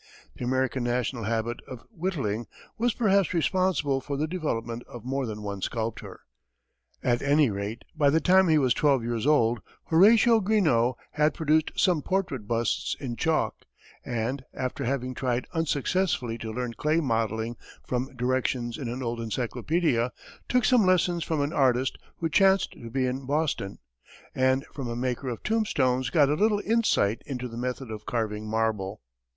The American national habit of whittling was perhaps responsible for the development of more than one sculptor. At any rate, by the time he was twelve years old, Horatio Greenough had produced some portrait busts in chalk, and, after having tried unsuccessfully to learn clay modelling from directions in an old encyclopedia, took some lessons from an artist who chanced to be in Boston, and from a maker of tombstones, got a little insight into the method of carving marble.